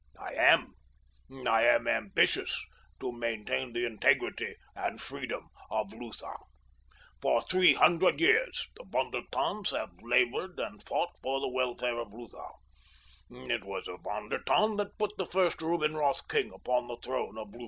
I am. I am ambitious to maintain the integrity and freedom of Lutha. "For three hundred years the Von der Tanns have labored and fought for the welfare of Lutha. It was a Von der Tann that put the first Rubinroth king upon the throne of Lutha.